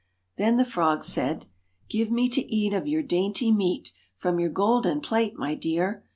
Then the frog said 1 Give me to eat of your dainty meat, From your golden plate, my dear.